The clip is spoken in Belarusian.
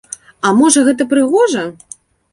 А можа, гэта прыгожа?